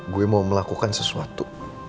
gue mau melakukan sesuatu